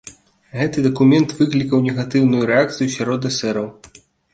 Гэты дакумент выклікаў негатыўную рэакцыю сярод эсэраў.